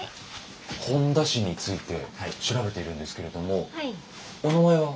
本田氏について調べているんですけれどもお名前は？